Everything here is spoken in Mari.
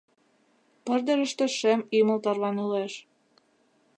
Пырдыжыште шем ӱмыл тарванылеш.